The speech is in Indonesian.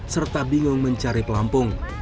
serta bingung mencari pelampung